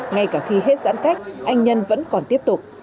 ngay cả khi hết giãn cách anh nhân vẫn còn tiếp tục